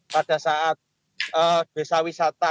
pada saat desa wisata